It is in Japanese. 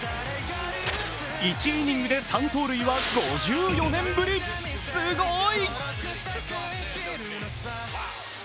１イニングで３盗塁は５４年ぶりすごい！